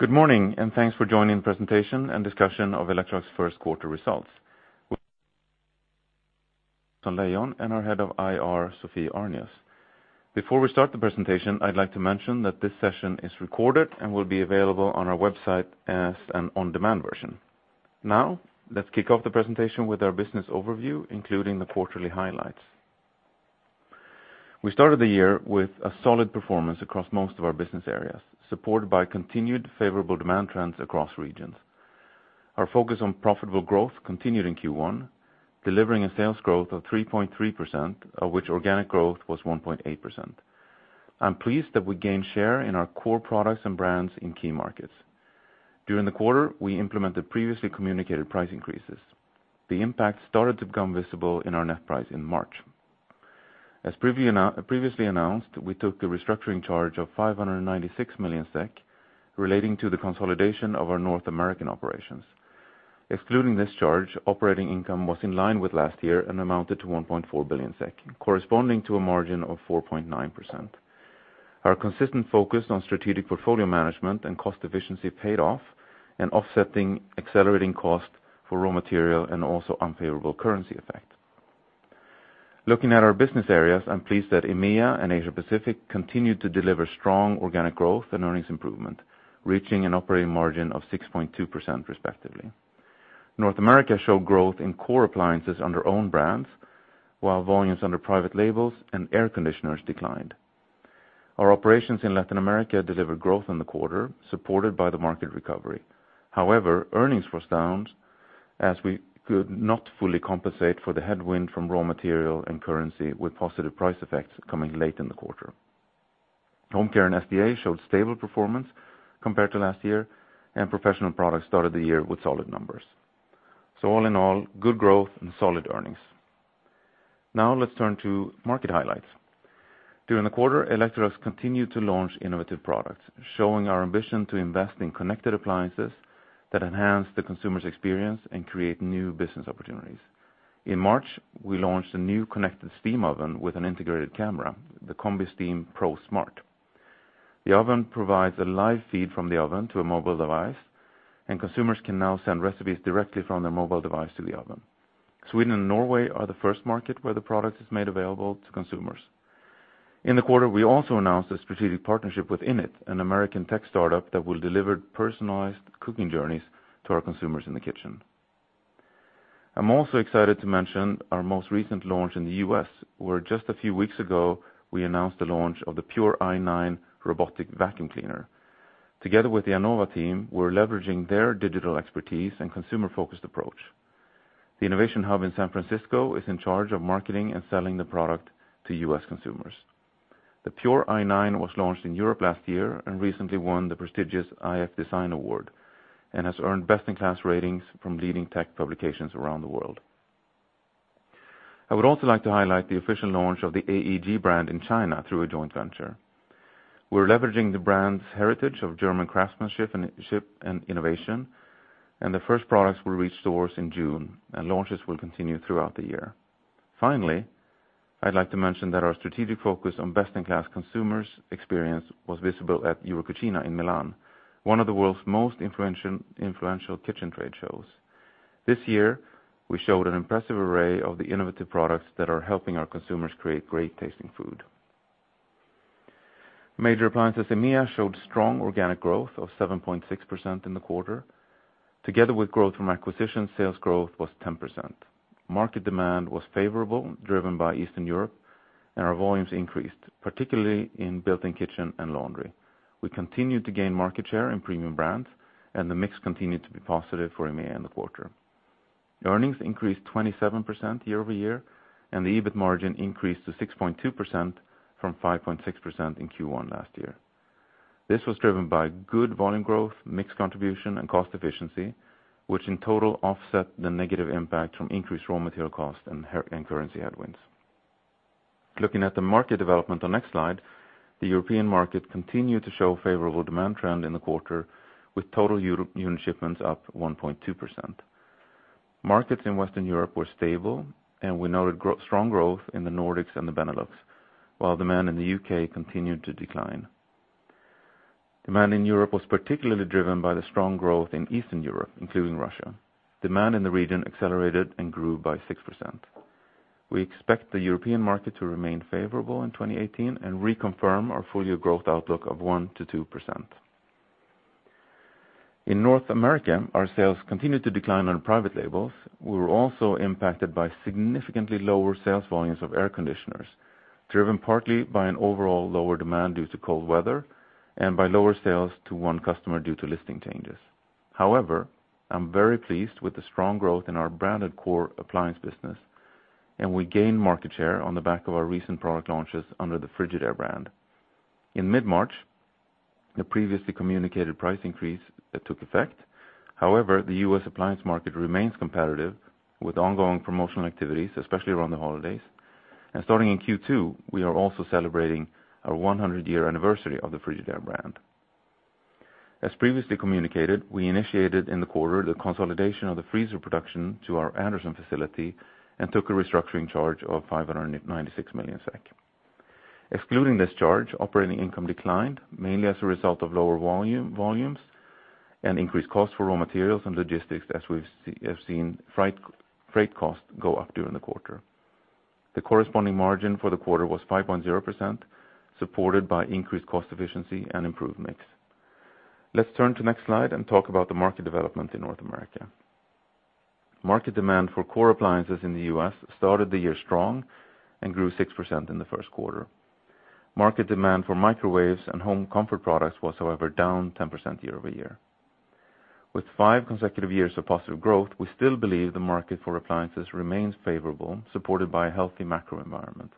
Good morning. Thanks for joining the presentation and discussion of Electrolux first quarter results and our Head of IR, Sophie Arnius. Before we start the presentation, I'd like to mention that this session is recorded and will be available on our website as an on-demand version. Let's kick off the presentation with our business overview, including the quarterly highlights. We started the year with a solid performance across most of our business areas, supported by continued favorable demand trends across regions. Our focus on profitable growth continued in Q1, delivering a sales growth of 3.3%, of which organic growth was 1.8%. I'm pleased that we gained share in our core products and brands in key markets. During the quarter, we implemented previously communicated price increases. The impact started to become visible in our net price in March. As previously announced, we took the restructuring charge of 596 million SEK relating to the consolidation of our North American operations. Excluding this charge, operating income was in line with last year and amounted to 1.4 billion SEK, corresponding to a margin of 4.9%. Our consistent focus on strategic portfolio management and cost efficiency paid off in offsetting accelerating cost for raw material and also unfavorable currency effect. Looking at our business areas, I'm pleased that EMEA and Asia Pacific continued to deliver strong organic growth and earnings improvement, reaching an operating margin of 6.2% respectively. North America showed growth in core appliances under own brands, while volumes under private labels and air conditioners declined. Our operations in Latin America delivered growth in the quarter, supported by the market recovery. Earnings was down as we could not fully compensate for the headwind from raw material and currency with positive price effects coming late in the quarter. Home Care and SDA showed stable performance compared to last year, and professional products started the year with solid numbers. All in all, good growth and solid earnings. Let's turn to market highlights. During the quarter, Electrolux continued to launch innovative products, showing our ambition to invest in connected appliances that enhance the consumer's experience and create new business opportunities. In March, we launched a new connected steam oven with an integrated camera, the CombiSteam Pro Smart. The oven provides a live feed from the oven to a mobile device, and consumers can now send recipes directly from their mobile device to the oven. Sweden and Norway are the first market where the product is made available to consumers. In the quarter, we also announced a strategic partnership with Innit, an American tech startup that will deliver personalized cooking journeys to our consumers in the kitchen. I'm also excited to mention our most recent launch in the U.S., where just a few weeks ago, we announced the launch of the Pure i9 robotic vacuum cleaner. Together with the Anova team, we're leveraging their digital expertise and consumer-focused approach. The innovation hub in San Francisco is in charge of marketing and selling the product to U.S. consumers. The Pure i9 was launched in Europe last year and recently won the prestigious iF Design Award, and has earned best-in-class ratings from leading tech publications around the world. I would also like to highlight the official launch of the AEG brand in China through a joint venture. We're leveraging the brand's heritage of German craftsmanship and innovation, and the first products will reach stores in June, and launches will continue throughout the year. Finally, I'd like to mention that our strategic focus on best-in-class consumers experience was visible at Eurocucina in Milan, one of the world's most influential kitchen trade shows. This year, we showed an impressive array of the innovative products that are helping our consumers create great-tasting food. Major appliances EMEA showed strong organic growth of 7.6% in the quarter. Together with growth from acquisition, sales growth was 10%. Market demand was favorable, driven by Eastern Europe, and our volumes increased, particularly in built-in kitchen and laundry. We continued to gain market share in premium brands, and the mix continued to be positive for EMEA in the quarter. Earnings increased 27% year-over-year, and the EBIT margin increased to 6.2% from 5.6% in Q1 last year. This was driven by good volume growth, mix contribution, and cost efficiency, which in total offset the negative impact from increased raw material cost and currency headwinds. Looking at the market development on next slide, the European market continued to show favorable demand trend in the quarter, with total unit shipments up 1.2%. Markets in Western Europe were stable, and we noted strong growth in the Nordics and the Benelux, while demand in the U.K. continued to decline. Demand in Europe was particularly driven by the strong growth in Eastern Europe, including Russia. Demand in the region accelerated and grew by 6%. We expect the European market to remain favorable in 2018 and reconfirm our full-year growth outlook of 1%-2%. In North America, our sales continued to decline on private labels. We were also impacted by significantly lower sales volumes of air conditioners, driven partly by an overall lower demand due to cold weather and by lower sales to one customer due to listing changes. However, I'm very pleased with the strong growth in our branded core appliance business, and we gained market share on the back of our recent product launches under the Frigidaire brand. In mid-March, the previously communicated price increase took effect. However, the U.S. appliance market remains competitive with ongoing promotional activities, especially around the holidays. Starting in Q2, we are also celebrating our 100-year anniversary of the Frigidaire brand. As previously communicated, we initiated in the quarter the consolidation of the freezer production to our Anderson facility and took a restructuring charge of 596 million SEK. Excluding this charge, operating income declined mainly as a result of lower volumes and increased cost for raw materials and logistics, as we have seen freight cost go up during the quarter. The corresponding margin for the quarter was 5.0%, supported by increased cost efficiency and improved mix. Let's turn to next slide and talk about the market development in North America. Market demand for core appliances in the U.S. started the year strong and grew 6% in the first quarter. Market demand for microwaves and home comfort products was, however, down 10% year-over-year. With five consecutive years of positive growth, we still believe the market for appliances remains favorable, supported by a healthy macro environment.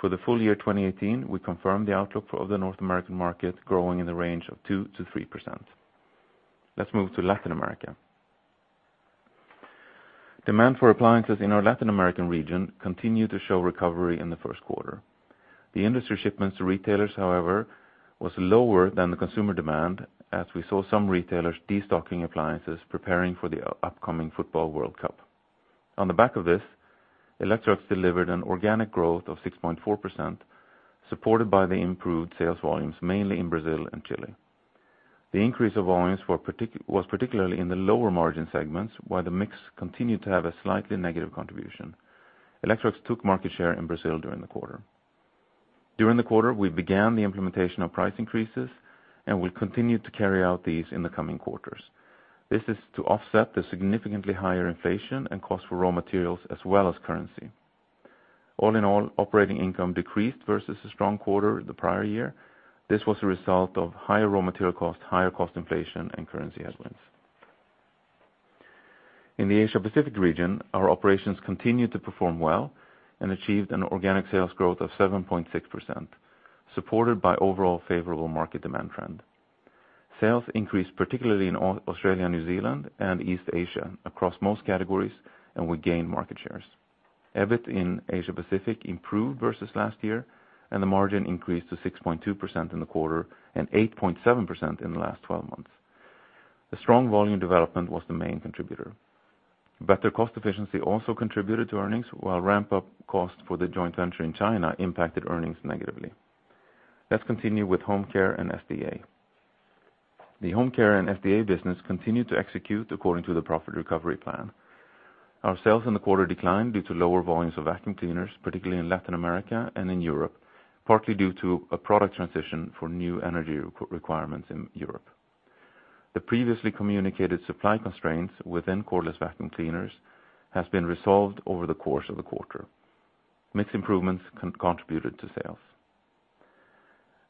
For the full year 2018, we confirm the outlook for the North American market growing in the range of 2%-3%. Let's move to Latin America. Demand for appliances in our Latin American region continued to show recovery in the first quarter. The industry shipments to retailers, however, was lower than the consumer demand as we saw some retailers destocking appliances preparing for the upcoming football World Cup. On the back of this, Electrolux delivered an organic growth of 6.4%, supported by the improved sales volumes, mainly in Brazil and Chile. The increase of volumes was particularly in the lower margin segments, while the mix continued to have a slightly negative contribution. Electrolux took market share in Brazil during the quarter. During the quarter, we began the implementation of price increases, and we continue to carry out these in the coming quarters. This is to offset the significantly higher inflation and cost for raw materials, as well as currency. All in all, operating income decreased versus a strong quarter the prior year. This was a result of higher raw material cost, higher cost inflation, and currency headwinds. In the Asia-Pacific region, our operations continued to perform well and achieved an organic sales growth of 7.6%, supported by overall favorable market demand trend. Sales increased, particularly in Australia, New Zealand, and East Asia, across most categories, and we gained market shares. EBIT in Asia-Pacific improved versus last year, and the margin increased to 6.2% in the quarter and 8.7% in the last 12 months. The strong volume development was the main contributor. Better cost efficiency also contributed to earnings while ramp-up cost for the joint venture in China impacted earnings negatively. Let's continue with Home Care and SDA. The Home Care and SDA business continued to execute according to the profit recovery plan. Our sales in the quarter declined due to lower volumes of vacuum cleaners, particularly in Latin America and in Europe, partly due to a product transition for new energy requirements in Europe. The previously communicated supply constraints within cordless vacuum cleaners has been resolved over the course of the quarter. Mix improvements contributed to sales.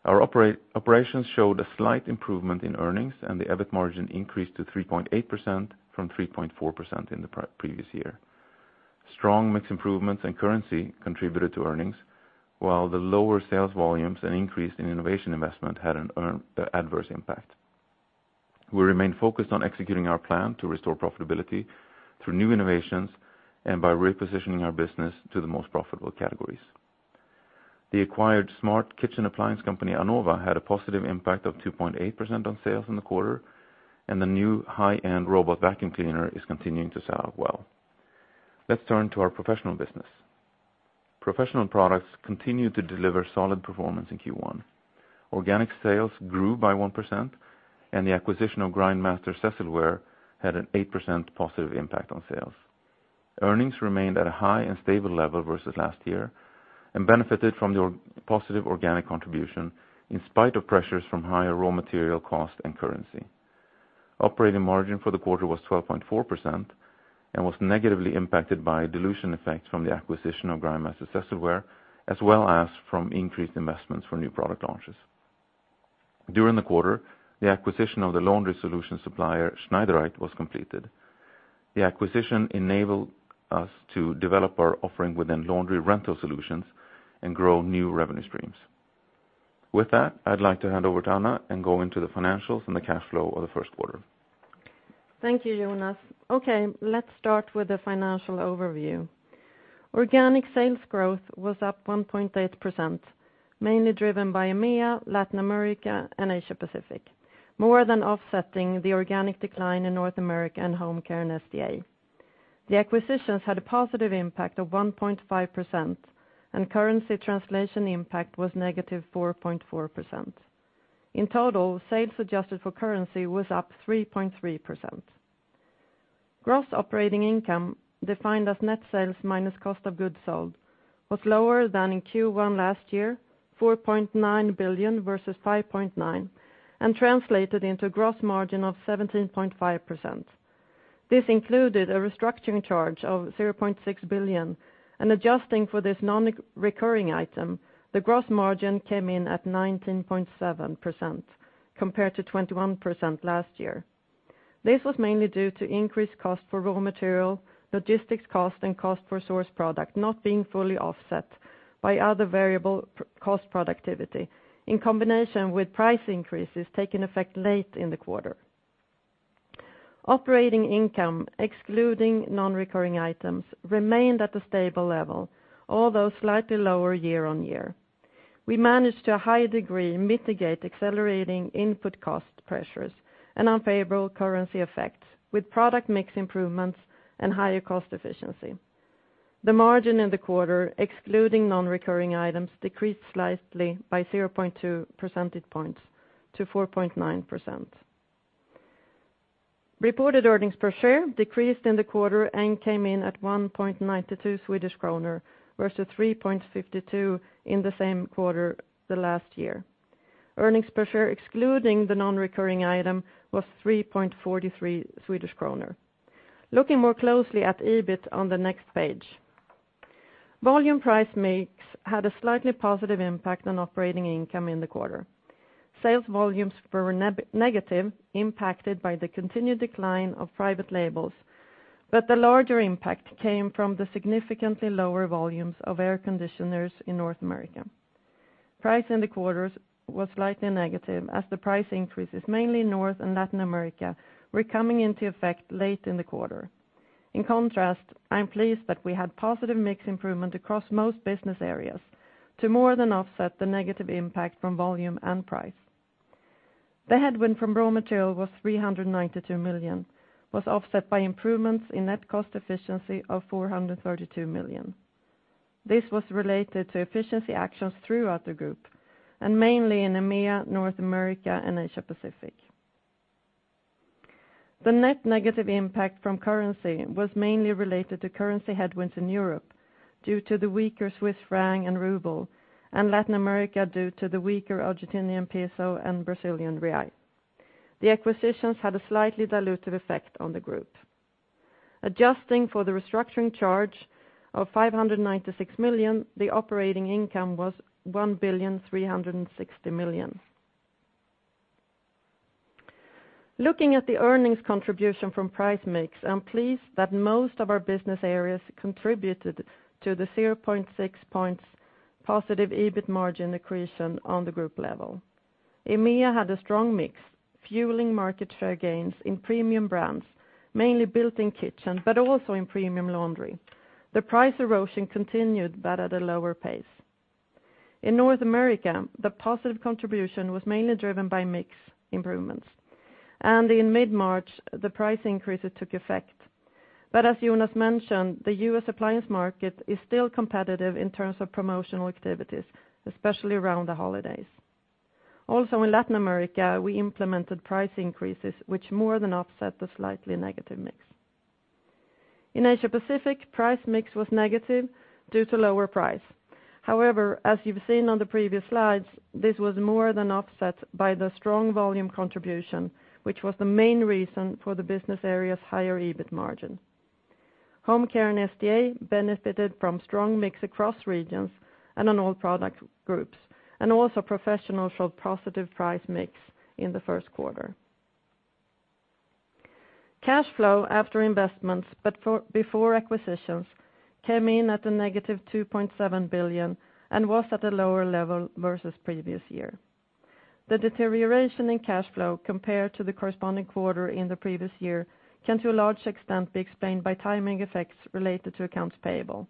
Our operations showed a slight improvement in earnings, and the EBIT margin increased to 3.8% from 3.4% in the previous year. Strong mix improvements and currency contributed to earnings, while the lower sales volumes and increase in innovation investment had an adverse impact. We remain focused on executing our plan to restore profitability through new innovations and by repositioning our business to the most profitable categories. The acquired smart kitchen appliance company Anova had a positive impact of 2.8% on sales in the quarter, and the new high-end robot vacuum cleaner is continuing to sell well. Let's turn to our professional business. Professional products continued to deliver solid performance in Q1. Organic sales grew by 1%, and the acquisition of Grindmaster-Cecilware had an 8% positive impact on sales. Earnings remained at a high and stable level versus last year and benefited from the positive organic contribution in spite of pressures from higher raw material cost and currency. Operating margin for the quarter was 12.4% and was negatively impacted by dilution effects from the acquisition of Grindmaster-Cecilware, as well as from increased investments for new product launches. During the quarter, the acquisition of the laundry solution supplier Schneidereit was completed. The acquisition enabled us to develop our offering within laundry rental solutions and grow new revenue streams. With that, I'd like to hand over to Anna and go into the financials and the cash flow of the first quarter. Thank you, Jonas. Okay, let's start with the financial overview. Organic sales growth was up 1.8%, mainly driven by EMEA, Latin America, and Asia-Pacific. More than offsetting the organic decline in North America and Home Care and SDA. The acquisitions had a positive impact of 1.5%, and currency translation impact was negative 4.4%. In total, sales adjusted for currency was up 3.3%. Gross operating income, defined as net sales minus cost of goods sold, was lower than in Q1 last year, 4.9 billion versus 5.9 billion, and translated into gross margin of 17.5%. This included a restructuring charge of 0.6 billion, and adjusting for this non-recurring item, the gross margin came in at 19.7% compared to 21% last year. This was mainly due to increased cost for raw material, logistics cost, and cost for source product not being fully offset by other variable cost productivity, in combination with price increases taking effect late in the quarter. Operating income, excluding non-recurring items, remained at a stable level, although slightly lower year-over-year. We managed to a high degree mitigate accelerating input cost pressures and unfavorable currency effects with product mix improvements and higher cost efficiency. The margin in the quarter, excluding non-recurring items, decreased slightly by 0.2 percentage points to 4.9%. Reported earnings per share decreased in the quarter and came in at 1.92 Swedish kronor, versus 3.52 in the same quarter last year. Earnings per share excluding the non-recurring item was 3.43 Swedish kronor. Looking more closely at EBIT on the next page. Volume price mix had a slightly positive impact on operating income in the quarter. Sales volumes were negative, impacted by the continued decline of private labels, the larger impact came from the significantly lower volumes of air conditioners in North America. Price in the quarters was slightly negative as the price increases, mainly North and Latin America, were coming into effect late in the quarter. In contrast, I'm pleased that we had positive mix improvement across most business areas to more than offset the negative impact from volume and price. The headwind from raw material was 392 million, was offset by improvements in net cost efficiency of 432 million. This was related to efficiency actions throughout the group and mainly in EMEA, North America, and Asia-Pacific. The net negative impact from currency was mainly related to currency headwinds in Europe, due to the weaker CHF and RUB, and Latin America due to the weaker ARS and BRL. The acquisitions had a slightly dilutive effect on the group. Adjusting for the restructuring charge of 596 million, the operating income was 1,360 million. Looking at the earnings contribution from price mix, I'm pleased that most of our business areas contributed to the 0.6 percentage points positive EBIT margin accretion on the group level. EMEA had a strong mix, fueling market share gains in premium brands, mainly built-in kitchen, but also in premium laundry. The price erosion continued, but at a lower pace. In North America, the positive contribution was mainly driven by mix improvements, and in mid-March, the price increases took effect. As Jonas mentioned, the U.S. appliance market is still competitive in terms of promotional activities, especially around the holidays. Also in Latin America, we implemented price increases, which more than offset the slightly negative mix. In Asia-Pacific, price mix was negative due to lower price. As you've seen on the previous slides, this was more than offset by the strong volume contribution, which was the main reason for the business area's higher EBIT margin. Home Care and SDA benefited from strong mix across regions and on all product groups, and also Professional showed positive price mix in the first quarter. Cash flow after investments, but before acquisitions, came in at a negative 2.7 billion and was at a lower level versus previous year. The deterioration in cash flow compared to the corresponding quarter in the previous year can to a large extent be explained by timing effects related to accounts payable.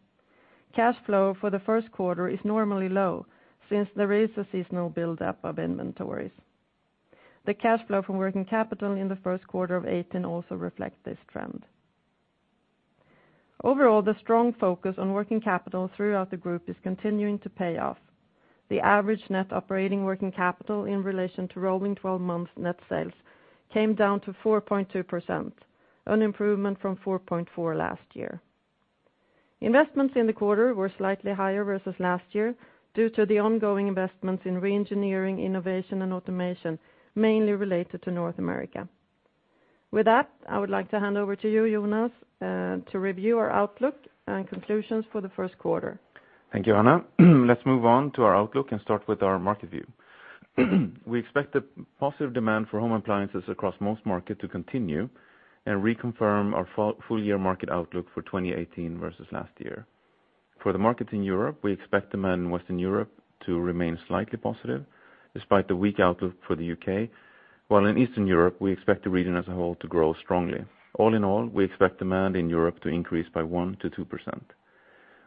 Cash flow for the first quarter is normally low since there is a seasonal buildup of inventories. The cash flow from working capital in the first quarter of 2018 also reflect this trend. Overall, the strong focus on working capital throughout the group is continuing to pay off. The average net operating working capital in relation to rolling 12 months net sales came down to 4.2%, an improvement from 4.4% last year. Investments in the quarter were slightly higher versus last year due to the ongoing investments in re-engineering, innovation, and automation, mainly related to North America. With that, I would like to hand over to you, Jonas, to review our outlook and conclusions for the first quarter. Thank you, Anna. Let's move on to our outlook and start with our market view. We expect the positive demand for home appliances across most market to continue and reconfirm our full year market outlook for 2018 versus last year. For the markets in Europe, we expect demand in Western Europe to remain slightly positive despite the weak outlook for the U.K., while in Eastern Europe, we expect the region as a whole to grow strongly. All in all, we expect demand in Europe to increase by 1%-2%.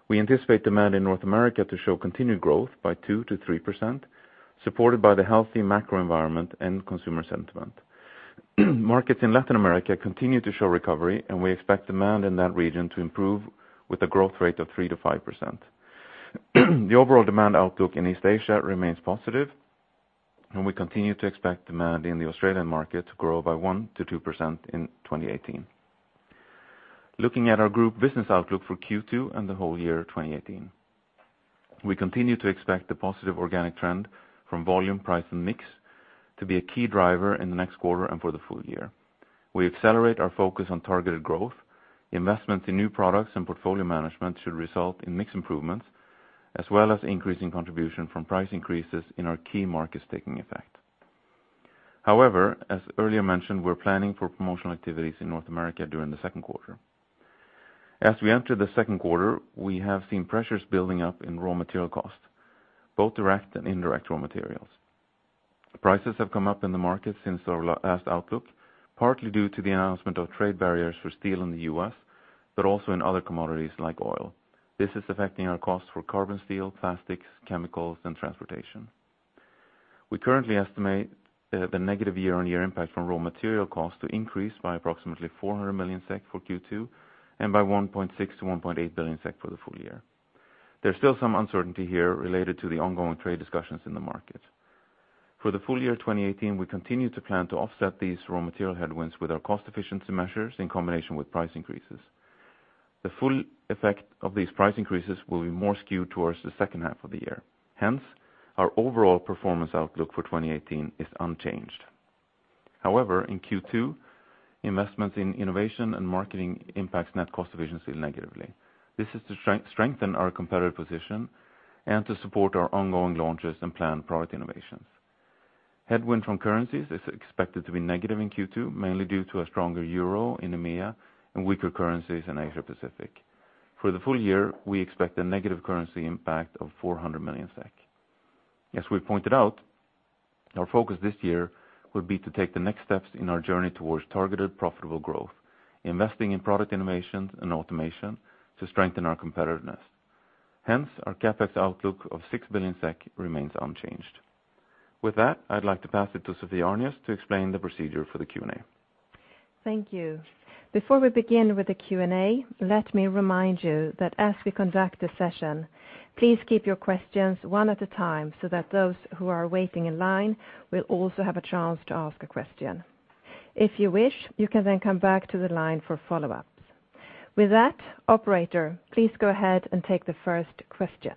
We anticipate demand in North America to show continued growth by 2%-3%, supported by the healthy macro environment and consumer sentiment. Markets in Latin America continue to show recovery, and we expect demand in that region to improve with a growth rate of 3%-5%. The overall demand outlook in East Asia remains positive, we continue to expect demand in the Australian market to grow by 1%-2% in 2018. Looking at our group business outlook for Q2 and the whole year 2018. We continue to expect the positive organic trend from volume, price, and mix to be a key driver in the next quarter and for the full year. We accelerate our focus on targeted growth. Investment in new products and portfolio management should result in mix improvements, as well as increasing contribution from price increases in our key markets taking effect. As earlier mentioned, we're planning for promotional activities in North America during the second quarter. As we enter the second quarter, we have seen pressures building up in raw material costs, both direct and indirect raw materials. The prices have come up in the market since our last outlook, partly due to the announcement of trade barriers for steel in the U.S., but also in other commodities like oil. This is affecting our cost for carbon steel, plastics, chemicals, and transportation. We currently estimate the negative year-on-year impact from raw material costs to increase by approximately 400 million SEK for Q2, and by 1.6 billion-1.8 billion SEK for the full year. There's still some uncertainty here related to the ongoing trade discussions in the market. For the full year 2018, we continue to plan to offset these raw material headwinds with our cost efficiency measures in combination with price increases. The full effect of these price increases will be more skewed towards the second half of the year. Our overall performance outlook for 2018 is unchanged. In Q2, investments in innovation and marketing impacts net cost efficiency negatively. This is to strengthen our competitive position and to support our ongoing launches and planned product innovations. Headwind from currencies is expected to be negative in Q2, mainly due to a stronger EUR in EMEA and weaker currencies in Asia-Pacific. For the full year, we expect a negative currency impact of 400 million SEK. As we pointed out, our focus this year will be to take the next steps in our journey towards targeted profitable growth, investing in product innovations and automation to strengthen our competitiveness. Our CapEx outlook of 6 billion SEK remains unchanged. With that, I'd like to pass it to Sophie Arnius to explain the procedure for the Q&A. Thank you. Before we begin with the Q&A, let me remind you that as we conduct the session, please keep your questions one at a time so that those who are waiting in line will also have a chance to ask a question. If you wish, you can then come back to the line for follow-ups. With that, operator, please go ahead and take the first question.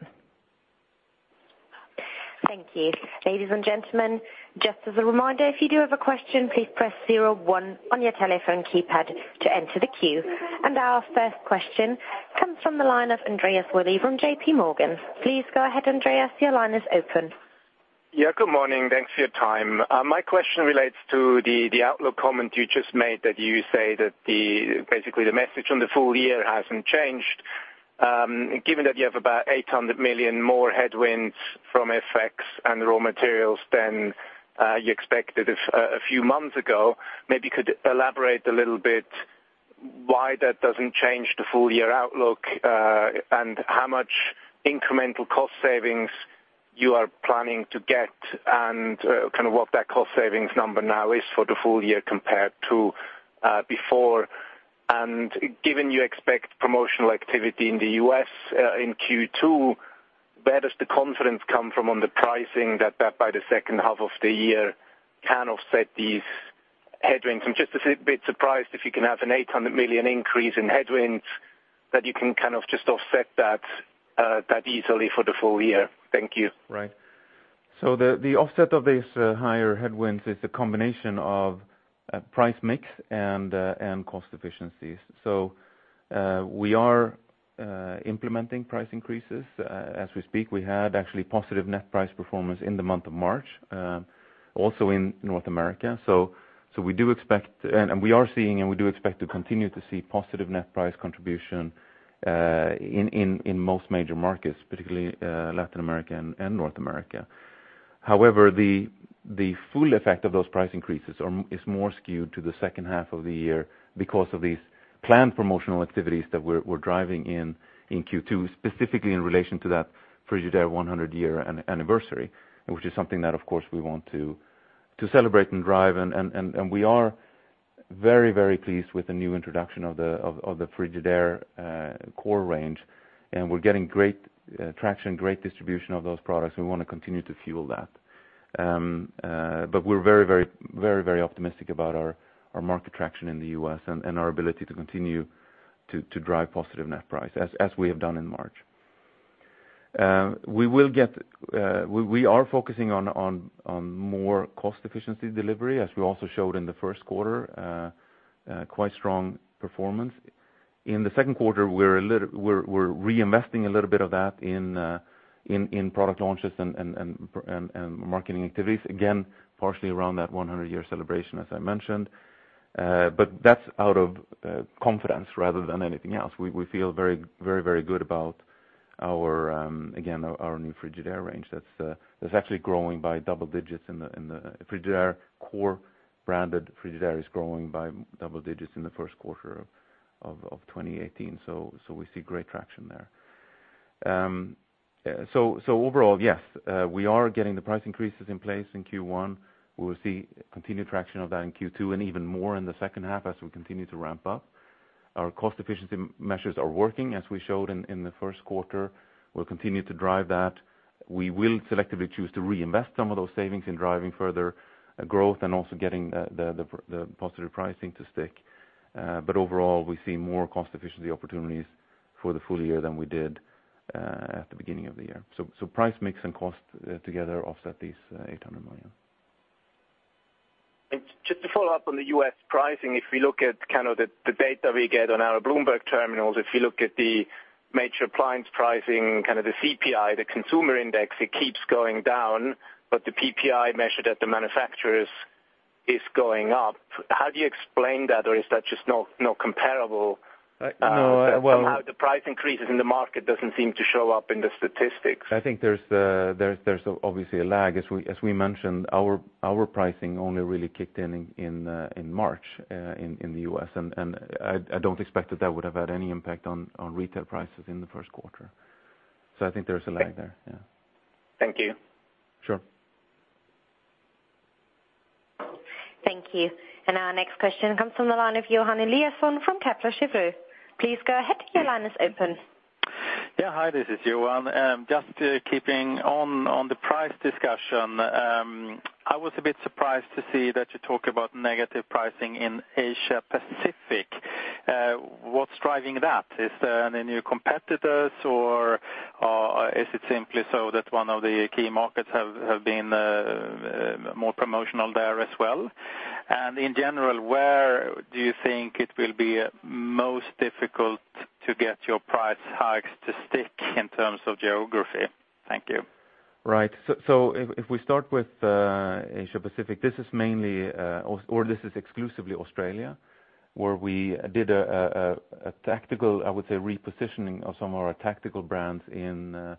Thank you. Ladies and gentlemen, just as a reminder, if you do have a question, please press zero one on your telephone keypad to enter the queue. Our first question comes from the line of Andreas Willi from J.P. Morgan. Please go ahead, Andreas, your line is open. Yeah, good morning. Thanks for your time. My question relates to the outlook comment you just made that you say that basically the message on the full year hasn't changed. Given that you have about 800 million more headwinds from FX and raw materials than you expected a few months ago, maybe you could elaborate a little bit why that doesn't change the full-year outlook, and how much incremental cost savings you are planning to get, and what that cost savings number now is for the full year compared to before. Given you expect promotional activity in the U.S. in Q2, where does the confidence come from on the pricing that by the second half of the year can offset these headwinds? I'm just a bit surprised if you can have an 800 million increase in headwinds, that you can just offset that easily for the full year. Thank you. Right. The offset of these higher headwinds is the combination of price mix and cost efficiencies. We are implementing price increases. As we speak, we had actually positive net price performance in the month of March, also in North America. We are seeing and we do expect to continue to see positive net price contribution in most major markets, particularly Latin America and North America. However, the full effect of those price increases is more skewed to the second half of the year because of these planned promotional activities that we're driving in Q2, specifically in relation to that Frigidaire 100-year anniversary, which is something that of course we want to celebrate and drive. We are very, very pleased with the new introduction of the Frigidaire core range, and we're getting great traction, great distribution of those products, and we want to continue to fuel that. We're very, very optimistic about our market traction in the U.S. and our ability to continue to drive positive net price as we have done in March. We are focusing on more cost efficiency delivery, as we also showed in the first quarter, quite strong performance. In the second quarter, we're reinvesting a little bit of that in product launches and marketing activities, again, partially around that 100-year celebration, as I mentioned. That's out of confidence rather than anything else. We feel very good about, again, our new Frigidaire range that's actually growing by double digits in the Frigidaire core branded. Frigidaire is growing by double digits in the first quarter of 2018. Overall, yes, we are getting the price increases in place in Q1. We will see continued traction of that in Q2 and even more in the second half as we continue to ramp up. Our cost efficiency measures are working, as we showed in the first quarter. We'll continue to drive that. We will selectively choose to reinvest some of those savings in driving further growth and also getting the positive pricing to stick. Overall, we see more cost efficiency opportunities for the full year than we did at the beginning of the year. Price mix and cost together offset these 800 million. Just to follow up on the U.S. pricing, if we look at the data we get on our Bloomberg terminals, if you look at the major appliance pricing, the CPI, the consumer index, it keeps going down, but the PPI measured at the manufacturers is going up. How do you explain that? Or is that just not comparable? No. Somehow the price increases in the market doesn't seem to show up in the statistics. I think there's obviously a lag. As we mentioned, our pricing only really kicked in March in the U.S., and I don't expect that would have had any impact on retail prices in the first quarter. I think there's a lag there. Yeah. Thank you. Sure. Thank you. Our next question comes from the line of Johan Eliason from Kepler Cheuvreux. Please go ahead. Your line is open. Yeah. Hi, this is Johan. Just keeping on the price discussion. I was a bit surprised to see that you talk about negative pricing in Asia Pacific. What's driving that? Is there any new competitors, or is it simply so that one of the key markets have been more promotional there as well? In general, where do you think it will be most difficult to get your price hikes to stick in terms of geography? Thank you. Right. If we start with Asia Pacific, this is mainly, or this is exclusively Australia, where we did a tactical, I would say, repositioning of some of our tactical brands in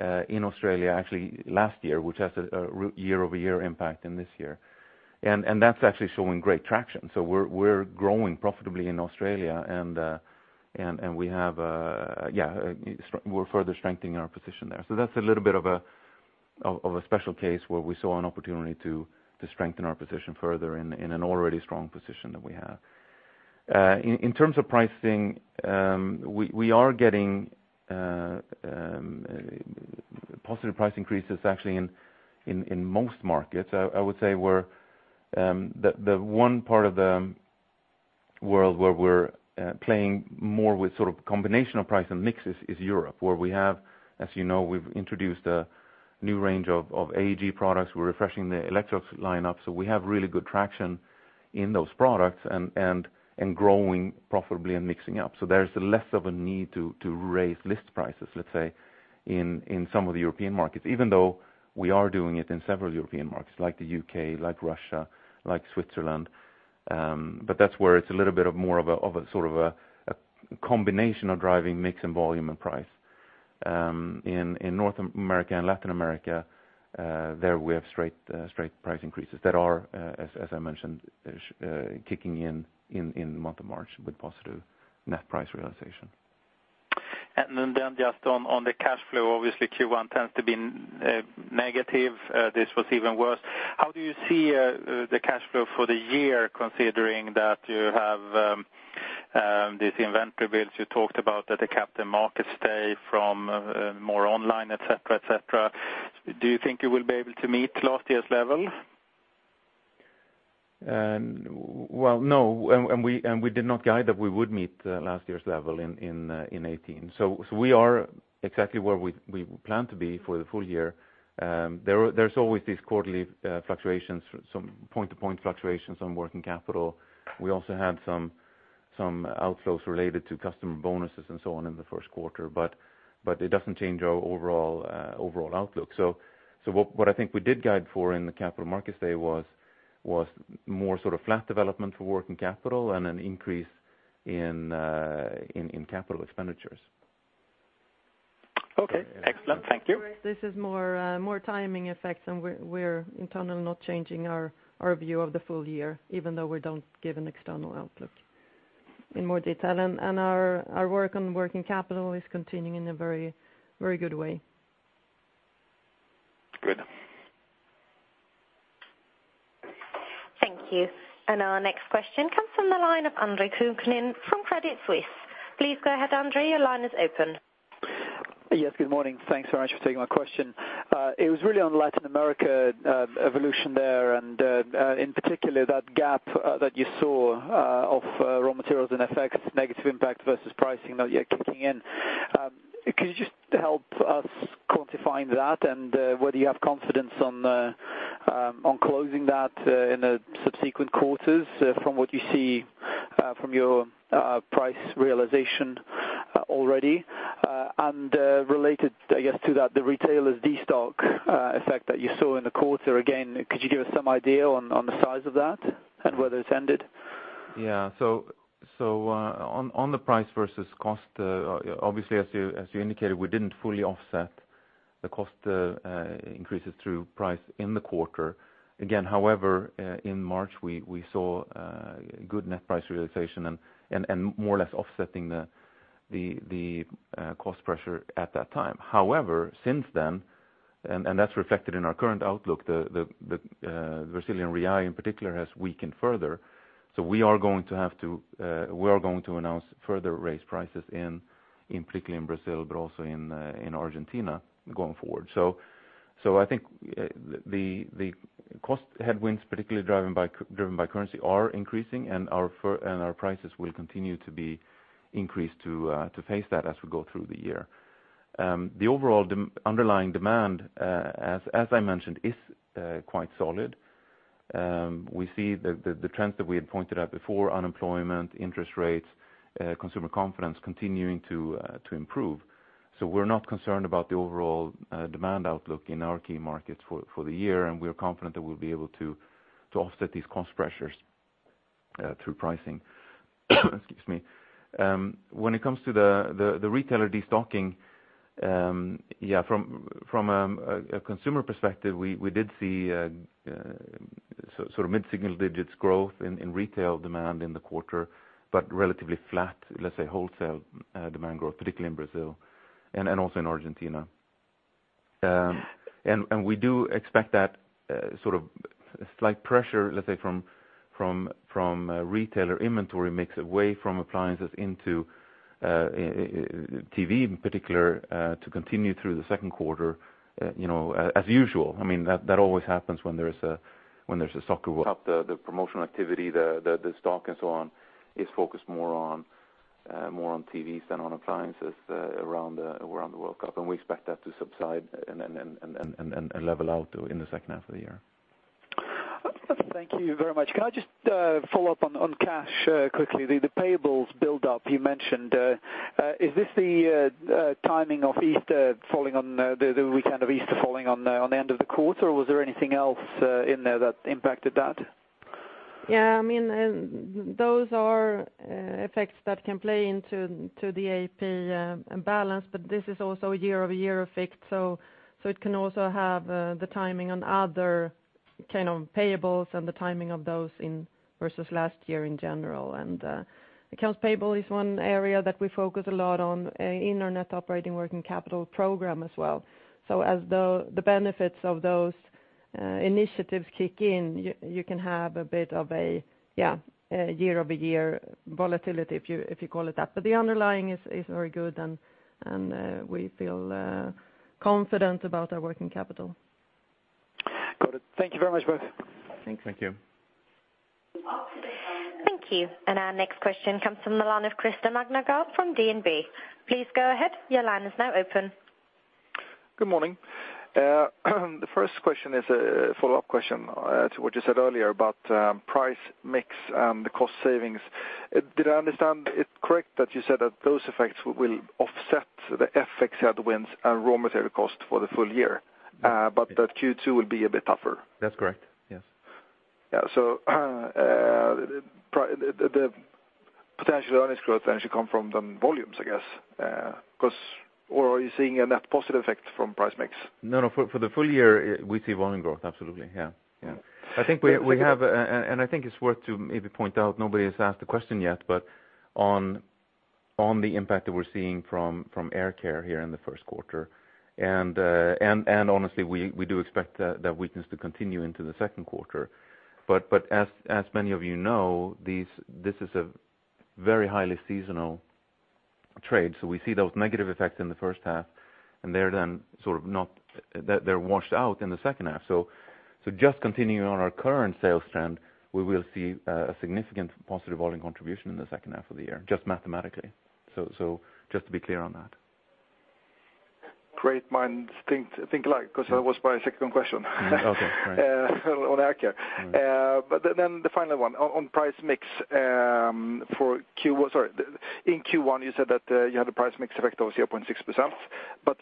Australia, actually last year, which has a year-over-year impact in this year. That's actually showing great traction. We're growing profitably in Australia and we're further strengthening our position there. That's a little bit of a special case where we saw an opportunity to strengthen our position further in an already strong position that we have. In terms of pricing, we are getting positive price increases actually in most markets. I would say the one part of the world where we're playing more with sort of combination of price and mixes is Europe, where we have, as you know, we've introduced a new range of AEG products. We're refreshing the Electrolux lineup. We have really good traction in those products and growing profitably and mixing up. There's less of a need to raise list prices, let's say, in some of the European markets, even though we are doing it in several European markets like the U.K., like Russia, like Switzerland. But that's where it's a little bit of more of a sort of a combination of driving mix and volume and price. In North America and Latin America, there we have straight price increases that are, as I mentioned, kicking in the month of March with positive net price realization. Just on the cash flow, obviously Q1 tends to be negative. This was even worse. How do you see the cash flow for the year considering that you have these inventory builds you talked about at the Capital Markets Day from more online, et cetera? Do you think you will be able to meet last year's level? No, we did not guide that we would meet last year's level in 2018. We are exactly where we plan to be for the full year. There's always these quarterly fluctuations, some point-to-point fluctuations on working capital. We also had some outflows related to customer bonuses and so on in the first quarter, it doesn't change our overall outlook. What I think we did guide for in the Capital Markets Day was more sort of flat development for working capital and an increase in capital expenditures. Okay, excellent. Thank you. This is more timing effects. We're internally not changing our view of the full year, even though we don't give an external outlook in more detail. Our work on working capital is continuing in a very good way. Good. Thank you. Our next question comes from the line of Andrey Kuklin from Credit Suisse. Please go ahead, Andrey. Your line is open. Yes, good morning. Thanks very much for taking my question. It was really on Latin America evolution there and in particular, that gap that you saw of raw materials and FX, negative impact versus pricing not yet kicking in. Can you just help us quantifying that and whether you have confidence on closing that in the subsequent quarters from what you see from your price realization already? Related, I guess, to that, the retailer destock effect that you saw in the quarter. Again, could you give us some idea on the size of that and whether it's ended? On the price versus cost, obviously, as you indicated, we didn't fully offset the cost increases through price in the quarter. However, in March, we saw good net price realization and more or less offsetting the cost pressure at that time. Since then, and that's reflected in our current outlook, the BRL in particular has weakened further. We are going to announce further raised prices in, particularly in Brazil, but also in Argentina going forward. I think the cost headwinds, particularly driven by currency, are increasing and our prices will continue to be increased to face that as we go through the year. The overall underlying demand, as I mentioned, is quite solid. We see the trends that we had pointed out before, unemployment, interest rates, consumer confidence continuing to improve. We're not concerned about the overall demand outlook in our key markets for the year, and we are confident that we'll be able to offset these cost pressures through pricing. Excuse me. When it comes to the retailer destocking, from a consumer perspective, we did see mid-single-digit growth in retail demand in the quarter, but relatively flat, let's say, wholesale demand growth, particularly in Brazil and also in Argentina. We do expect that slight pressure, let's say, from retailer inventory mix away from appliances into TV in particular, to continue through the second quarter, as usual. That always happens when there's a soccer World Cup. The promotional activity, the stock, and so on, is focused more on TVs than on appliances around the World Cup. We expect that to subside and level out in the second half of the year. Thank you very much. Can I just follow up on cash quickly? The payables build-up you mentioned, is this the timing of the weekend of Easter falling on the end of the quarter, or was there anything else in there that impacted that? Yeah. Those are effects that can play into the AP balance, but this is also a year-over-year effect, so it can also have the timing on other kind of payables and the timing of those versus last year in general. Accounts payable is one area that we focus a lot on in our net operating working capital program as well. As the benefits of those initiatives kick in, you can have a bit of a year-over-year volatility, if you call it that. The underlying is very good, and we feel confident about our working capital. Got it. Thank you very much, both. Thank you. Thank you. Thank you. Our next question comes from the line of Christer Magnergård from DNB. Please go ahead. Your line is now open. Good morning. The first question is a follow-up question to what you said earlier about price mix and the cost savings. Did I understand it correct that you said that those effects will offset the FX headwinds and raw material costs for the full year, but that Q2 will be a bit tougher? That's correct. Yes. Yeah. The potential earnings growth then should come from the volumes, I guess. Are you seeing a net positive effect from price mix? No. For the full year, we see volume growth, absolutely. Yeah. I think it's worth to maybe point out, nobody has asked the question yet, but on the impact that we're seeing from air care here in the first quarter, honestly, we do expect that weakness to continue into the second quarter. As many of you know, this is a very highly seasonal trade. We see those negative effects in the first half, they're washed out in the second half. Just continuing on our current sales trend, we will see a significant positive volume contribution in the second half of the year, just mathematically. Just to be clear on that. Great minds think alike, because that was my second question. Okay. Right. on air care. The final one, on price mix. In Q1, you said that you had a price mix effect of 0.6%,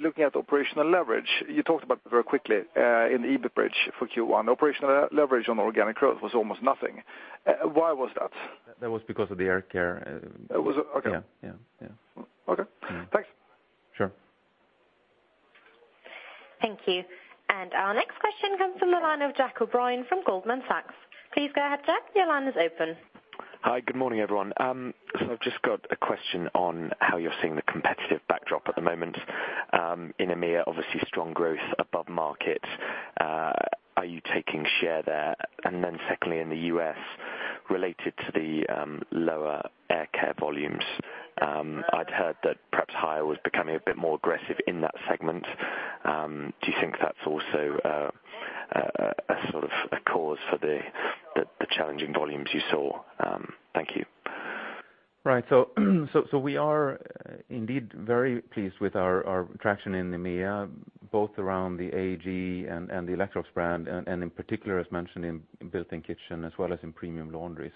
looking at operational leverage, you talked about that very quickly in the EBIT bridge for Q1. Operational leverage on organic growth was almost nothing. Why was that? That was because of the air care. Okay. Yeah. Okay. Thanks. Sure. Thank you. Our next question comes from the line of Jack O'Brien from Goldman Sachs. Please go ahead, Jack. Your line is open. Hi. Good morning, everyone. I've just got a question on how you're seeing the competitive backdrop at the moment in EMEA. Obviously, strong growth above market. Are you taking share there? Secondly, in the U.S., related to the lower air care volumes, I'd heard that perhaps Haier was becoming a bit more aggressive in that segment. Do you think that's also a cause for the challenging volumes you saw? Thank you. Right. We are indeed very pleased with our traction in EMEA, both around the AEG and the Electrolux brand, and in particular, as mentioned, in built-in kitchen as well as in premium laundry.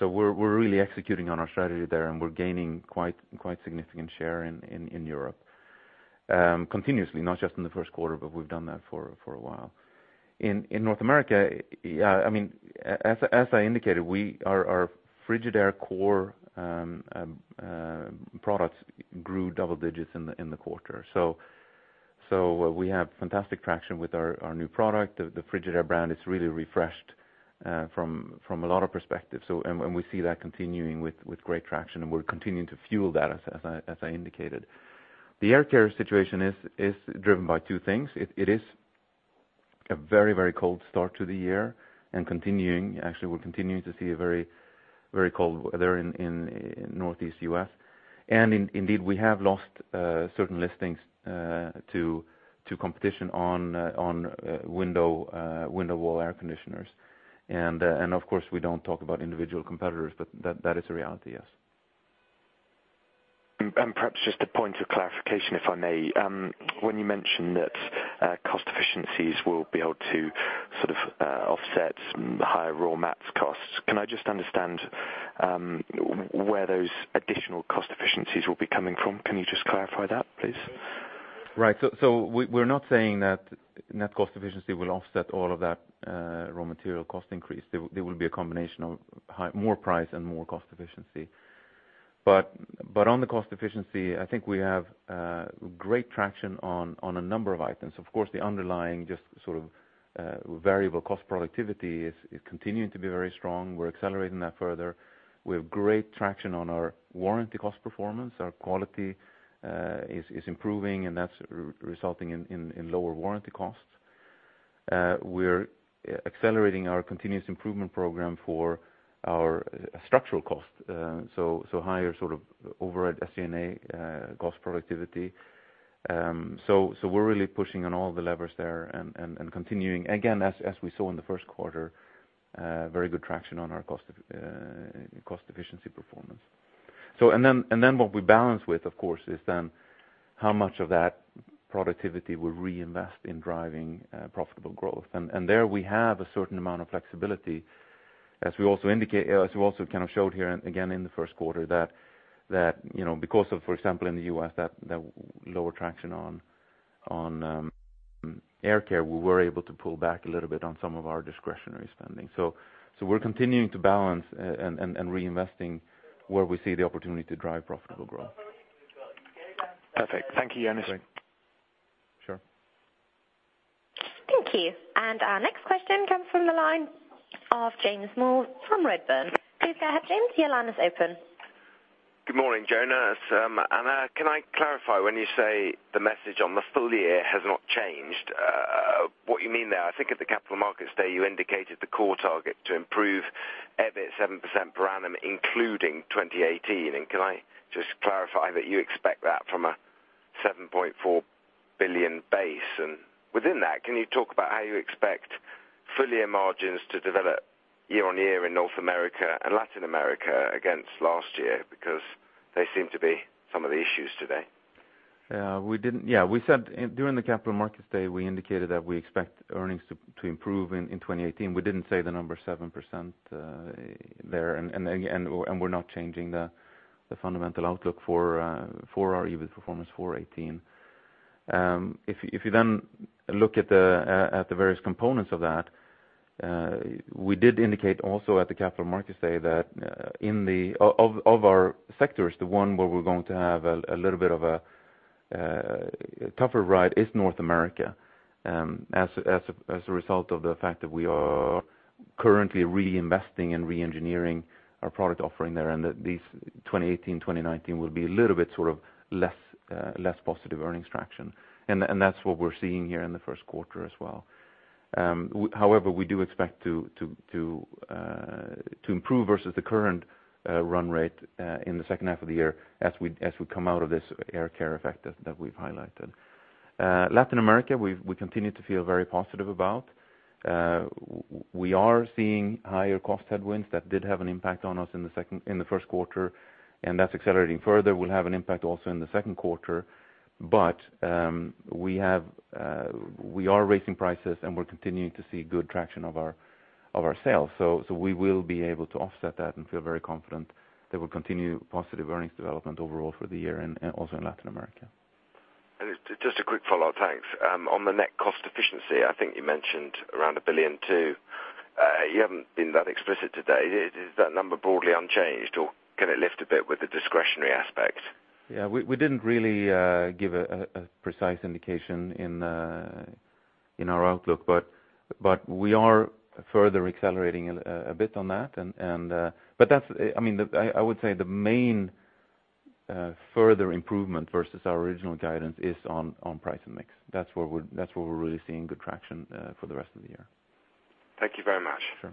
We're really executing on our strategy there, and we're gaining quite significant share in Europe. Continuously, not just in the first quarter, but we've done that for a while. In North America, as I indicated, our Frigidaire core products grew double digits in the quarter. We have fantastic traction with our new product. The Frigidaire brand is really refreshed from a lot of perspectives. We see that continuing with great traction, and we're continuing to fuel that, as I indicated. The air care situation is driven by two things. It is a very cold start to the year, and continuing. Actually, we're continuing to see a very cold weather in Northeast U.S. Indeed, we have lost certain listings to competition on window wall air conditioners. Of course, we don't talk about individual competitors, but that is a reality, yes. Perhaps just a point of clarification, if I may. When you mentioned that cost efficiencies will be able to offset the higher raw material costs, can I just understand where those additional cost efficiencies will be coming from? Can you just clarify that, please? Right. We're not saying that net cost efficiency will offset all of that raw material cost increase. There will be a combination of more price and more cost efficiency. On the cost efficiency, I think we have great traction on a number of items. Of course, the underlying just sort of variable cost productivity is continuing to be very strong. We're accelerating that further. We have great traction on our warranty cost performance. Our quality is improving, and that's resulting in lower warranty costs. We're accelerating our continuous improvement program for our structural cost, so higher overhead SG&A cost productivity. We're really pushing on all the levers there and continuing, again, as we saw in the first quarter, very good traction on our cost efficiency performance. What we balance with, of course, is then how much of that productivity we reinvest in driving profitable growth. There we have a certain amount of flexibility as we also kind of showed here, again, in the first quarter that because of, for example, in the U.S., that lower traction on air care, we were able to pull back a little bit on some of our discretionary spending. We're continuing to balance and reinvesting where we see the opportunity to drive profitable growth. Perfect. Thank you, Jonas. Sure. Thank you. Our next question comes from the line of James Moore from Redburn. Please go ahead, James, your line is open. Good morning, Jonas. Can I clarify when you say the message on the full year has not changed, what you mean there? I think at the Capital Markets Day, you indicated the core target to improve EBIT 7% per annum, including 2018. Can I just clarify that you expect that from a 7.4 billion base? Within that, can you talk about how you expect full-year margins to develop year-on-year in North America and Latin America against last year? Because they seem to be some of the issues today. During the Capital Markets Day, we indicated that we expect earnings to improve in 2018. We didn't say the number 7% there, and we're not changing the fundamental outlook for our EBIT performance for 2018. You look at the various components of that, we did indicate also at the Capital Markets Day that of our sectors, the one where we're going to have a little bit of a tougher ride is North America, as a result of the fact that we are currently reinvesting and re-engineering our product offering there, and that these 2018, 2019 will be a little bit sort of less positive earnings traction. That's what we're seeing here in the first quarter as well. However, we do expect to improve versus the current run rate in the second half of the year as we come out of this air care effect that we've highlighted. Latin America, we continue to feel very positive about. We are seeing higher cost headwinds that did have an impact on us in the first quarter, that's accelerating further, will have an impact also in the second quarter. We are raising prices, and we're continuing to see good traction of our sales. We will be able to offset that and feel very confident that we'll continue positive earnings development overall for the year and also in Latin America. Just a quick follow-up, thanks. On the net cost efficiency, I think you mentioned around 1 billion too. You haven't been that explicit today. Is that number broadly unchanged, or can it lift a bit with the discretionary aspect? We didn't really give a precise indication in our outlook, we are further accelerating a bit on that. I would say the main further improvement versus our original guidance is on price and mix. That's where we're really seeing good traction for the rest of the year. Thank you very much. Sure.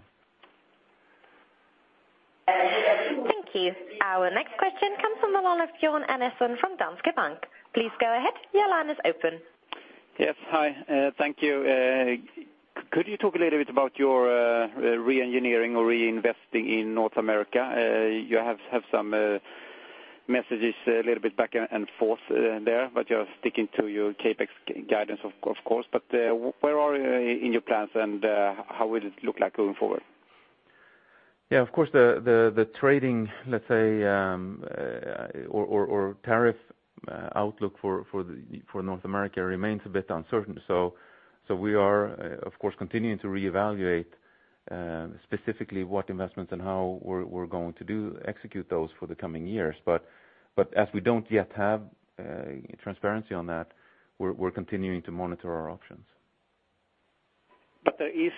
Thank you. Our next question comes from the line of Björn Enarson from Danske Bank. Please go ahead. Your line is open. Yes, hi. Thank you. Could you talk a little bit about your re-engineering or reinvesting in North America? You have had some messages a little bit back and forth there, you're sticking to your CapEx guidance, of course. Where are you in your plans, and how will it look like going forward? Yeah, of course, the trading, let's say, or tariff outlook for North America remains a bit uncertain. We are, of course, continuing to reevaluate specifically what investments and how we're going to execute those for the coming years. As we don't yet have transparency on that, we're continuing to monitor our options. There is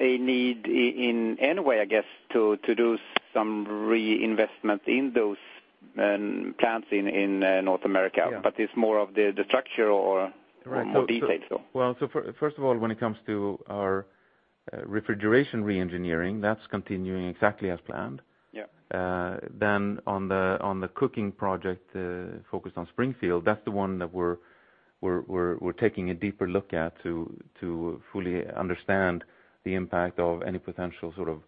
a need in any way, I guess, to do some reinvestment in those plants in North America. Yeah. It's more of the structure or more detail? First of all, when it comes to our refrigeration re-engineering, that's continuing exactly as planned. Yeah. On the cooking project, focused on Springfield, that's the one that we're taking a deeper look at to fully understand the impact of any potential sort of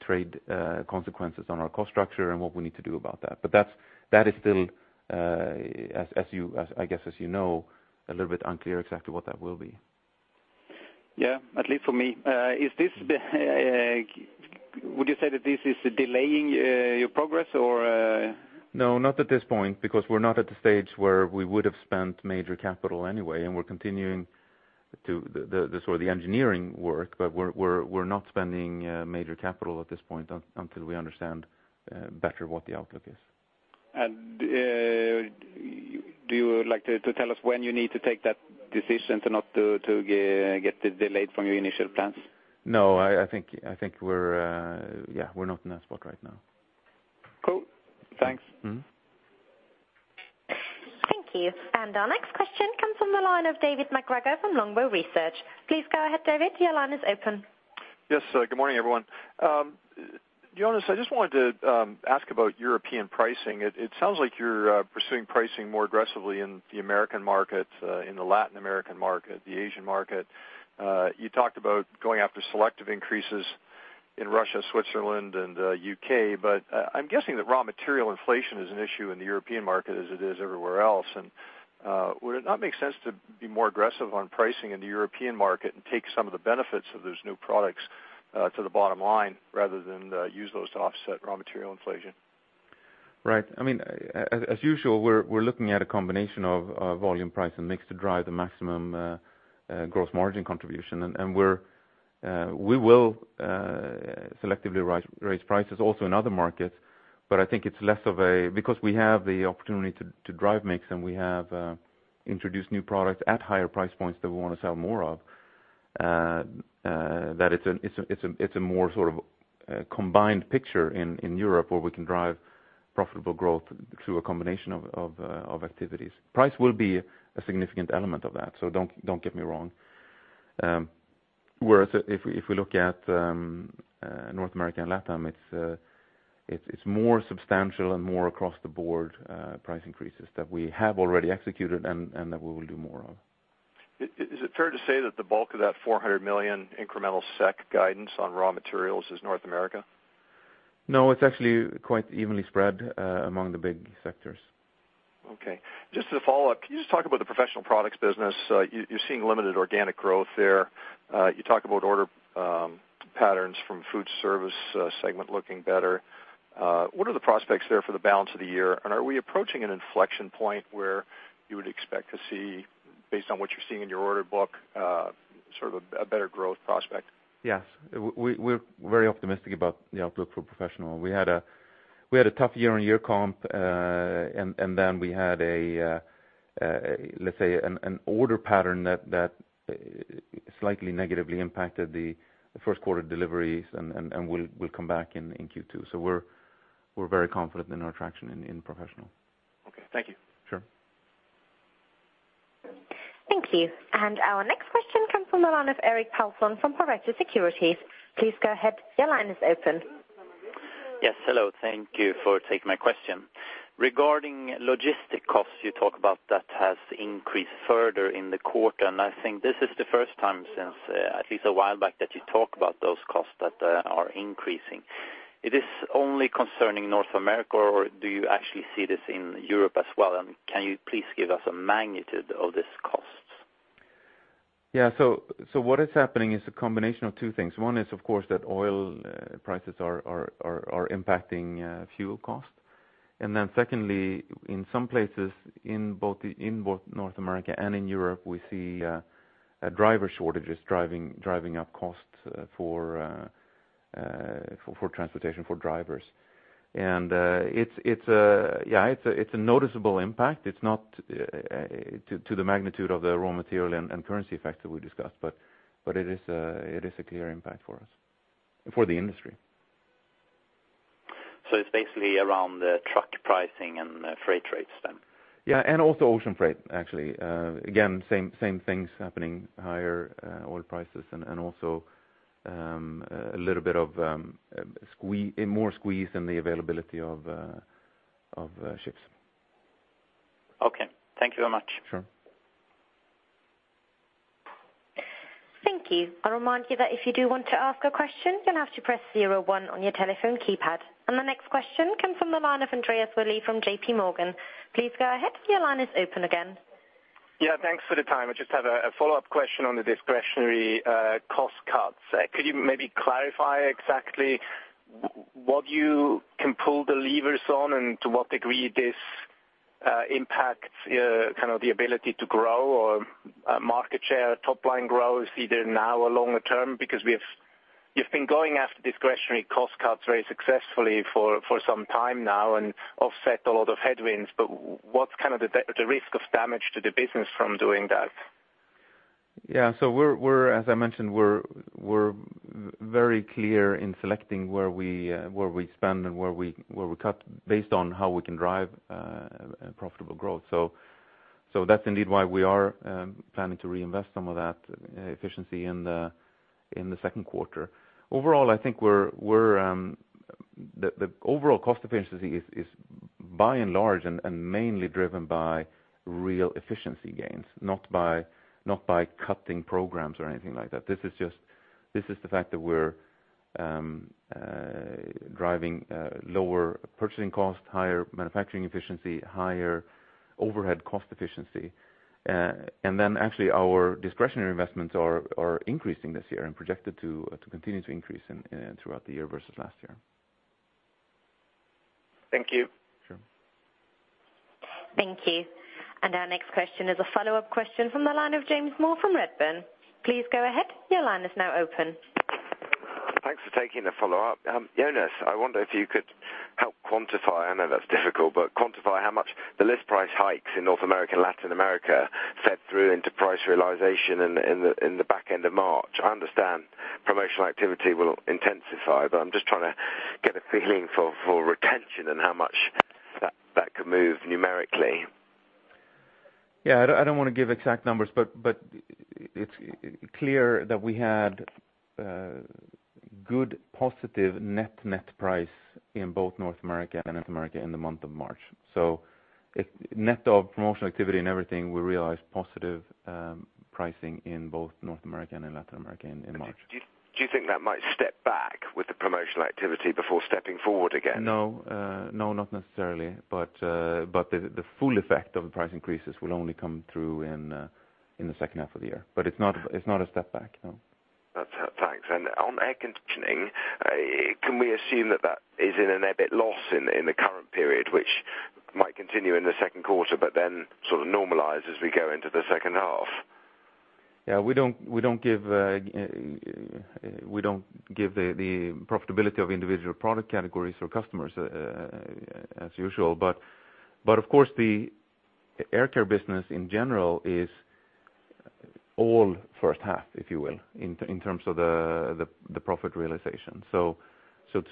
trade consequences on our cost structure and what we need to do about that. That is still, I guess as you know, a little bit unclear exactly what that will be. Yeah, at least for me. Would you say that this is delaying your progress or? No, not at this point, because we're not at the stage where we would have spent major capital anyway, and we're continuing the engineering work, but we're not spending major capital at this point until we understand better what the outlook is. Do you like to tell us when you need to take that decision to not to get delayed from your initial plans? No, I think we're not in a spot right now. Cool. Thanks. Thank you. Our next question comes from the line of David MacGregor from Longbow Research. Please go ahead, David. Your line is open. Yes. Good morning, everyone. Jonas, I just wanted to ask about European pricing. It sounds like you're pursuing pricing more aggressively in the American market, in the Latin American market, the Asian market. You talked about going after selective increases in Russia, Switzerland, and U.K. I'm guessing that raw material inflation is an issue in the European market, as it is everywhere else. Would it not make sense to be more aggressive on pricing in the European market and take some of the benefits of those new products to the bottom line rather than use those to offset raw material inflation? Right. As usual, we're looking at a combination of volume price and mix to drive the maximum gross margin contribution. We will selectively raise prices also in other markets, but I think it's because we have the opportunity to drive mix, and we have introduced new products at higher price points that we want to sell more of, that it's a more sort of combined picture in Europe where we can drive profitable growth through a combination of activities. Price will be a significant element of that, so don't get me wrong. Whereas if we look at North America and LATAM, it's more substantial and more across the board price increases that we have already executed and that we will do more of. Is it fair to say that the bulk of that 400 million incremental guidance on raw materials is North America? No, it's actually quite evenly spread among the big sectors. Okay. Just to follow up, can you just talk about the professional products business? You're seeing limited organic growth there. You talk about order patterns from food service segment looking better. What are the prospects there for the balance of the year? Are we approaching an inflection point where you would expect to see, based on what you're seeing in your order book, sort of a better growth prospect? Yes. We're very optimistic about the outlook for professional. We had a tough year-on-year comp, then we had, let's say, an order pattern that slightly negatively impacted the first quarter deliveries and will come back in Q2. We're very confident in our traction in professional. Okay. Thank you. Sure. Thank you. Our next question comes from the line of Erik Palsson from Pareto Securities. Please go ahead. Your line is open. Yes. Hello. Thank you for taking my question. Regarding logistic costs, you talk about that has increased further in the quarter, and I think this is the first time since at least a while back that you talk about those costs that are increasing. It is only concerning North America, or do you actually see this in Europe as well? Can you please give us a magnitude of this cost? Yeah. What is happening is a combination of two things. One is, of course, that oil prices are impacting fuel costs. Secondly, in some places in both North America and in Europe, we see driver shortages driving up costs for transportation, for drivers. It's a noticeable impact. It's not to the magnitude of the raw material and currency effect that we discussed, but it is a clear impact for us, for the industry. It's basically around the truck pricing and freight rates then? Yeah, and also ocean freight, actually. Again, same things happening, higher oil prices and also a little bit of more squeeze in the availability of ships. Okay. Thank you very much. Sure. Thank you. I'll remind you that if you do want to ask a question, you'll have to press zero one on your telephone keypad. The next question comes from the line of Andreas Willi from J.P. Morgan. Please go ahead. Your line is open again. Yeah, thanks for the time. I just have a follow-up question on the discretionary cost cuts. Could you maybe clarify exactly what you can pull the levers on and to what degree this impacts the ability to grow or market share top-line growth, either now or longer term? Because you've been going after discretionary cost cuts very successfully for some time now and offset a lot of headwinds, but what's the risk of damage to the business from doing that? Yeah. As I mentioned, we're very clear in selecting where we spend and where we cut based on how we can drive profitable growth. That's indeed why we are planning to reinvest some of that efficiency in the second quarter. Overall cost efficiency is by and large and mainly driven by real efficiency gains, not by cutting programs or anything like that. This is the fact that we're driving lower purchasing costs, higher manufacturing efficiency, higher overhead cost efficiency. Then actually our discretionary investments are increasing this year and projected to continue to increase throughout the year versus last year. Thank you. Sure. Thank you. Our next question is a follow-up question from the line of James Moore from Redburn. Please go ahead. Your line is now open. Thanks for taking the follow-up. Jonas, I wonder if you could help quantify, I know that's difficult, but quantify how much the list price hikes in North America, Latin America fed through into price realization in the back end of March. I understand promotional activity will intensify, but I'm just trying to get a feeling for retention and how much that could move numerically. Yeah, I don't want to give exact numbers, but it's clear that we had good positive net price in both North America and Latin America in the month of March. Net of promotional activity and everything, we realized positive pricing in both North America and in Latin America in March. Do you think that might step back with the promotional activity before stepping forward again? No, not necessarily, but the full effect of the price increases will only come through in the second half of the year, but it's not a step back, no. Thanks. On air conditioning, can we assume that that is in an EBIT loss in the current period, which might continue in the second quarter but then sort of normalize as we go into the second half? Yeah, we don't give the profitability of individual product categories or customers as usual, but of course the air care business in general is all first half, if you will, in terms of the profit realization. To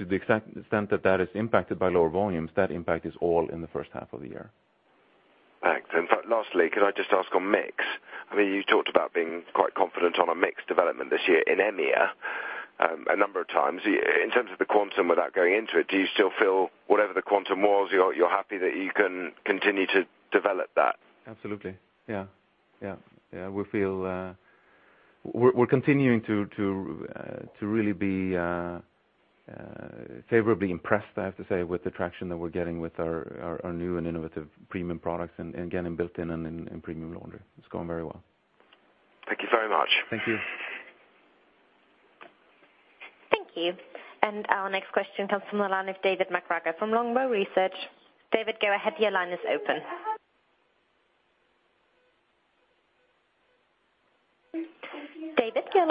the extent that that is impacted by lower volumes, that impact is all in the first half of the year. Thanks. Lastly, could I just ask on mix, I mean, you talked about being quite confident on a mix development this year in EMEA, a number of times. In terms of the quantum without going into it, do you still feel whatever the quantum was, you're happy that you can continue to develop that? Absolutely. Yeah. We're continuing to really be favorably impressed, I have to say, with the traction that we're getting with our new and innovative premium products and again, in built-in and in premium laundry. It's going very well. Thank you very much. Thank you. Thank you. Our next question comes from the line of David MacGregor from Longbow Research. David, go ahead. David,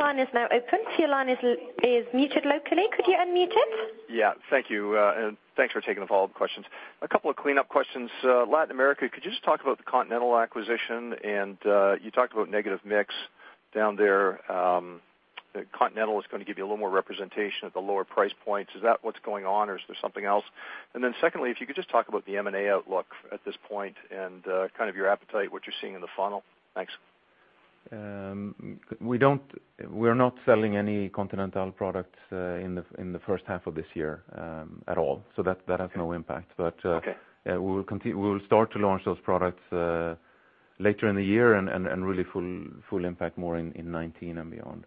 your line is now open. Your line is muted locally. Could you unmute it? Yeah, thank you. Thanks for taking the follow-up questions. A couple of cleanup questions. Latin America, could you just talk about the Continental acquisition, you talked about negative mix down there. Continental is going to give you a little more representation at the lower price points. Is that what's going on or is there something else? Then secondly, if you could just talk about the M&A outlook at this point and kind of your appetite, what you're seeing in the funnel. Thanks. We're not selling any Continental products in the first half of this year, at all. That has no impact. Okay. We will start to launch those products, later in the year and really full impact more in 2019 and beyond.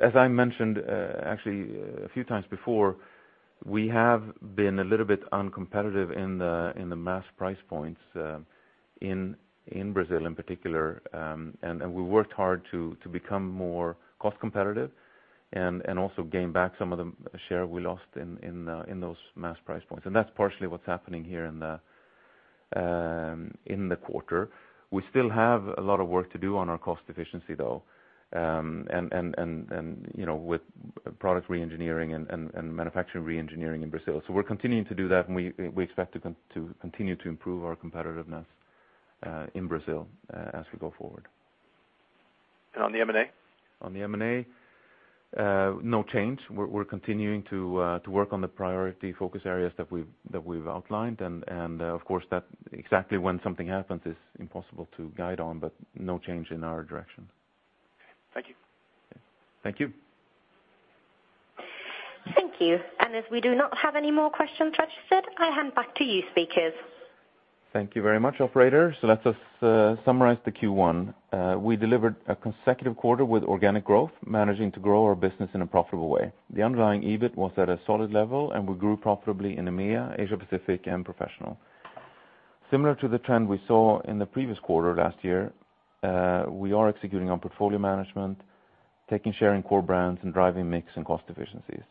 As I mentioned, actually a few times before, we have been a little bit uncompetitive in the mass price points in Brazil in particular. We worked hard to become more cost competitive and also gain back some of the share we lost in those mass price points. That's partially what's happening here in the quarter. We still have a lot of work to do on our cost efficiency though. With product re-engineering and manufacturing re-engineering in Brazil. We're continuing to do that, and we expect to continue to improve our competitiveness in Brazil as we go forward. On the M&A? On the M&A, no change. We're continuing to work on the priority focus areas that we've outlined, and of course exactly when something happens is impossible to guide on, but no change in our direction. Thank you. Thank you. Thank you. If we do not have any more questions registered, I hand back to you speakers. Thank you very much, operator. Let us summarize the Q1. We delivered a consecutive quarter with organic growth, managing to grow our business in a profitable way. The underlying EBIT was at a solid level, and we grew profitably in EMEA, Asia Pacific and Professional. Similar to the trend we saw in the previous quarter last year, we are executing on portfolio management, taking share in core brands, and driving mix and cost efficiencies.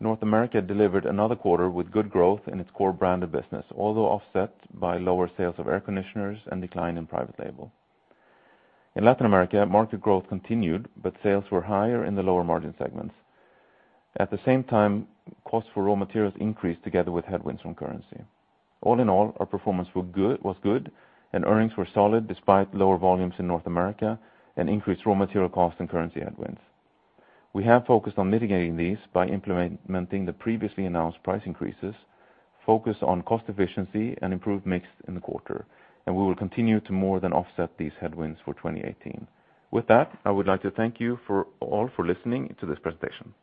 North America delivered another quarter with good growth in its core branded business, although offset by lower sales of air conditioners and decline in private label. In Latin America, market growth continued, sales were higher in the lower margin segments. At the same time, costs for raw materials increased together with headwinds from currency. All in all, our performance was good, and earnings were solid despite lower volumes in North America and increased raw material costs and currency headwinds. We have focused on mitigating these by implementing the previously announced price increases, focus on cost efficiency, and improved mix in the quarter. We will continue to more than offset these headwinds for 2018. With that, I would like to thank you all for listening to this presentation.